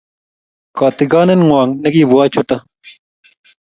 Kotigonnetngwong nekiibwo chuto